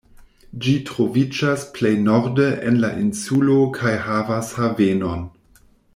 Ĝi troviĝas plej norde en la insulo kaj havas havenon.